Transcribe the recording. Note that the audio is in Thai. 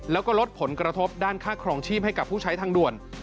แล้วก็ลดผลกระทบด้านค่าครองชีพให้กับผู้ใช้ทางด่วน